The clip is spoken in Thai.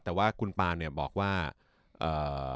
แต่ว่าคุณปาล์มสาเหตุบอกว่าเอ่อ